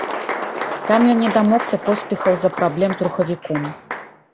Там ён не дамогся поспехаў з-за праблем з рухавіком.